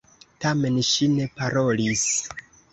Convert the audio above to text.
Tamen ŝi ne parolis.